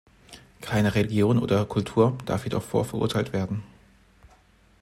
Keine Religion oder Kultur darf jedoch vorverurteilt werden.